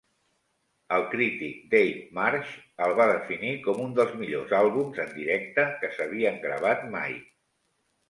El crític Dave Marsh el va definir com un dels millors àlbums en directe que s'havien gravat mai.